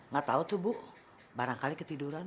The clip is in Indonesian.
gak tau tuh bu barangkali ketiduran